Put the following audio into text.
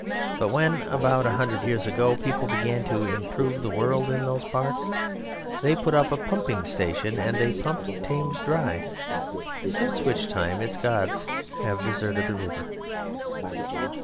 But when about a hundred years ago people began to improve the world in those parts, they put up a pumping station and they pumped Thames dry since which time its gods have deserted the river.